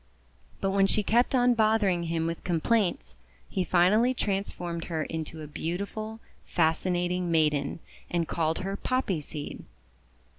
But when she kept on bothering him with complaints, he finally trans formed her into a beautiful, fascinating maiden, and called her Poppy Seed.